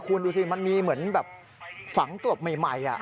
คุณดูสิมันมีเหมือนแบบฝังกลบใหม่